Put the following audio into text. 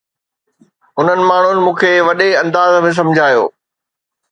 انهن ماڻهن مون کي وڏي انداز ۾ سمجھايو